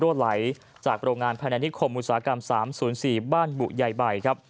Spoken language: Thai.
ตัวไหลจากโรงงานแพนานิคคมอุตสาหกรรม๓๐๔บ้านบุหญัยใบ